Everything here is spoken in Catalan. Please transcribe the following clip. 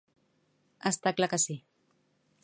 Està clar que sí.